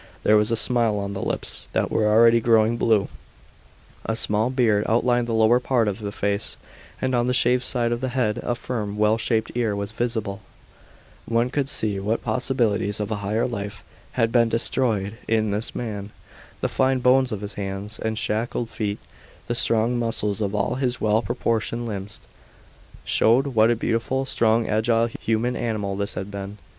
There was a smile on the lips that were already growing blue, a small beard outlined the lower part of the face, and on the shaved side of the head a firm, well shaped ear was visible. One could see what possibilities of a higher life had been destroyed in this man. The fine bones of his hands and shackled feet, the strong muscles of all his well proportioned limbs, showed what a beautiful, strong, agile human animal this had been.